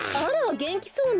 げんきそうね。